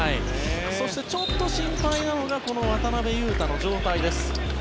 そしてちょっと心配なのが渡邊雄太の状態です。